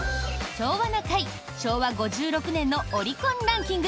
昭和５６年のオリコンランキング。